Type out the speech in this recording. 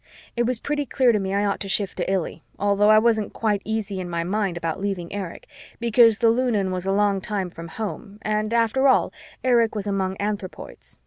It was pretty clear to me I ought to shift to Illy, although I wasn't quite easy in my mind about leaving Erich, because the Lunan was a long time from home and, after all, Erich was among anthropoids.